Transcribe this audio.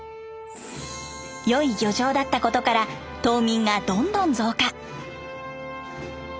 良い漁場だったことから島民がどんどん増加。